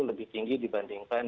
lebih tinggi dibandingkan